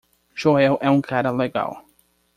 Joel é um cara legal.